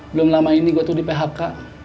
belum lama ini gue tuh di phk